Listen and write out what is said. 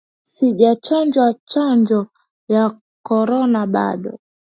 Sijachanjwa chanjo ya korona bado